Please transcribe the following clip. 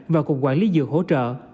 và cục quản lý dược hỗ trợ